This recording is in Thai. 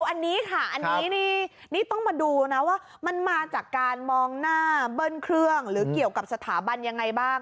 อันนี้ค่ะอันนี้นี่ต้องมาดูนะว่ามันมาจากการมองหน้าเบิ้ลเครื่องหรือเกี่ยวกับสถาบันยังไงบ้าง